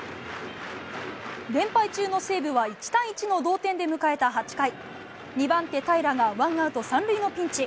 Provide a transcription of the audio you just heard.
連敗中の西武は１対１の同点で迎えた８回、２番手平良が、ワンアウト３塁のピンチ。